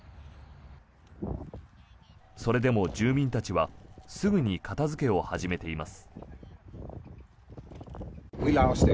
それでも住民たちはすぐに片付けを始めています。